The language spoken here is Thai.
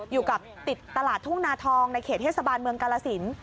อยู่กับติดตลาดทุ่งนาทองในเขตเทศบาลเมืองกาลสิน